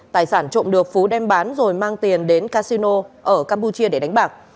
tài sản trộm được phú đem bán rồi mang tiền đến casino ở campuchia để đánh bạc